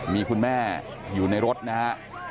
มีคุณแม่อยู่ในรถนะฮะ